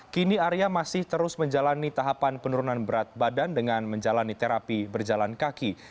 kini arya masih terus menjalani tahapan penurunan berat badan dengan menjalani terapi berjalan kaki